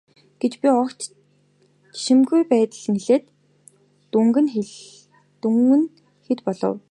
гэж би огт жишимгүй байдалтай хэлээд дүн нь хэд болов.